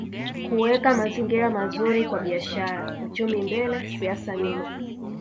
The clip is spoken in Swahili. Kuweka mazingira mazuri kwa biashara uchumi mbele siasa nyuma